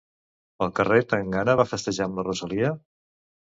El carrer Tangana va festejar amb la Rosalía?